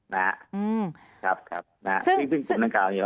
นะครับซึ่งคุมนางกล่าวนี้